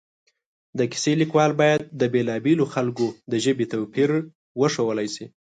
د کیسې لیکوال باید د بېلا بېلو خلکو د ژبې توپیر وښودلی شي